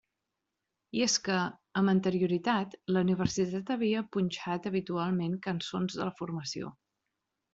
I és que, amb anterioritat, la universitat havia punxat habitualment cançons de la formació.